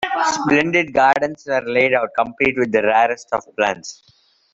Splendid gardens were laid out, complete with the rarest of plants.